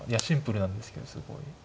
シンプルなんですけどすごい。